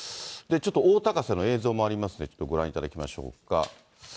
ちょっと大高瀬の映像もありますので、ちょっとご覧いただきましょうか。